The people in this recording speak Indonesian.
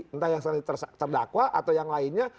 entah yang terdakwa atau yang lainnya